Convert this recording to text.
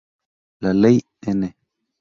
La Ley n°.